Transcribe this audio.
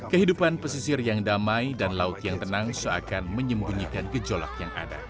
kehidupan pesisir yang damai dan laut yang tenang seakan menyembunyikan gejolak yang ada